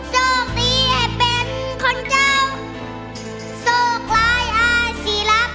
โชคดีให้เป็นคนเจ้าโชคล้ายอาจศิลักษณ์เอา